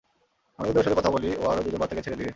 আমি যদি ওর সাথে কথা বলি, ও আরও দুজন বাচ্চাকে ছেড়ে দিবে।